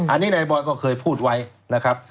อันนี้นายบอยก็เคยพูดไว้นะครับ